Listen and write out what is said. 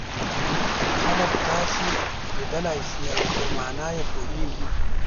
خلک تاسو لیدلای شي او پر مانا یې پوهیږي.